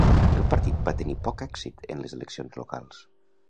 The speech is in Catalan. El partit va tenir poc èxit en les eleccions locals.